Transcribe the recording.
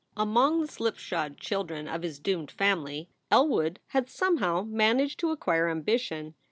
Among the slipshod children of his doomed family Elwood had somehow managed to acquire ambition.